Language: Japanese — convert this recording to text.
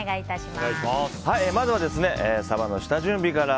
まずはサバの下準備から。